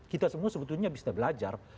kita semua sebetulnya bisa belajar